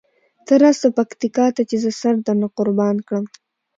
ته راسه پکتیکا ته چې زه سره درنه قربانه کړم.